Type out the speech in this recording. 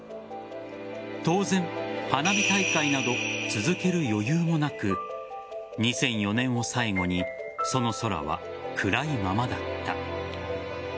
当然花火大会など続ける余裕もなく２００４年を最後にその空は暗いままだった。